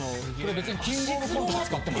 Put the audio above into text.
別に『キングオブコント』で使っても。